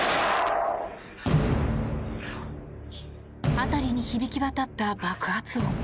辺りに響き渡った爆発音。